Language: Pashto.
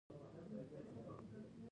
هغه يو بې نومه او بې نښانه انسان و.